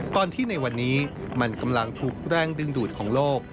ก่อนที่ในวันนี้มันกำลังถูกแรงดึงดูดของโลก